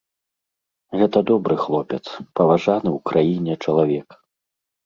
Гэта добры хлопец, паважаны ў краіне чалавек.